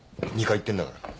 ２回行ってんだから。